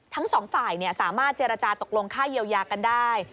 ทั้งสองฝ่ายสามารถเจรจาตกลงค่าเยียวยากันได้